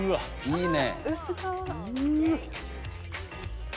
いいね！